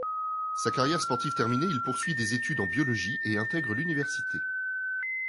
Sa carrière sportive terminée, il poursuit des études en biologie et intègre l'université.